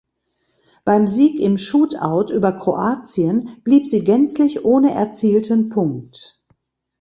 Beim Sieg im Shootout über Kroatien blieb sie gänzlich ohne erzielten Punkt.